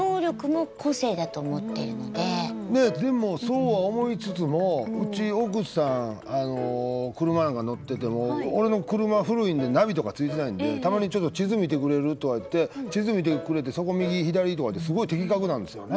でもそうは思いつつもうち奥さん車なんか乗ってても俺の車古いんでナビとかついてないんでたまに「ちょっと地図見てくれる？」とか言って地図見てくれて「そこ右左」とかってすごい的確なんですよね。